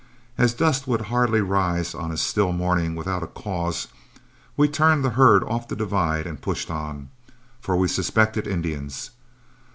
As dust would hardly rise on a still morning without a cause, we turned the herd off the divide and pushed on, for we suspected Indians.